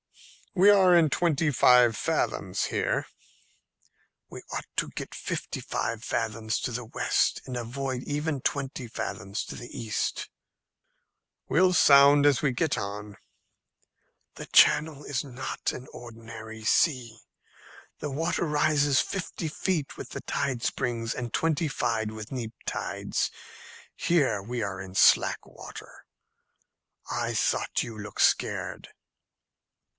"We are in twenty five fathoms here." "We ought to get into fifty five fathoms to the west, and avoid even twenty fathoms to the east." "We'll sound as we get on." "The Channel is not an ordinary sea. The water rises fifty feet with the spring tides, and twenty five with neap tides. Here we are in slack water. I thought you looked scared."